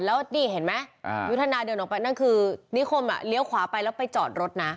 แล้วนี่เห็นไหมยุทธนาเดินออกไปนั่นคือนิคมเลี้ยวขวาไปแล้วไปจอดรถนะ